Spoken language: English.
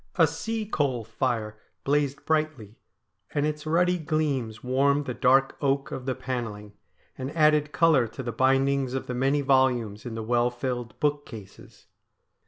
A sea coal fire blazed brightly, and its ruddy gleams warmed the dark oak of the panelling, and added colour to the bindings of the many volumes in the well filled bookcases.